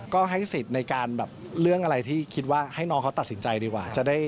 ก็ให้สิทธิ์ในการแบบเรื่องอะไรที่คิดว่าให้น้องเขาตัดสินใจดีกว่า